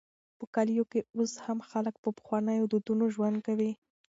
په کلیو کې اوس هم خلک په پخوانيو دودونو ژوند کوي.